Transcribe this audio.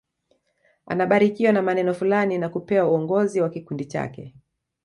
Anabarikiwa na maneno fulani na kupewa uongozi wa kikundi chake